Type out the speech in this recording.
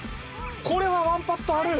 これはワンパットある！